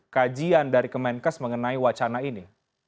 kajian dari kemenkes mengenai wacana ini